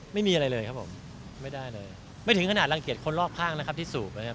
ไม่มีอะไรเลยครับผมไม่ได้เลยไม่ถึงขนาดรังเกียจคนรอบข้างนะครับที่สูบนะครับ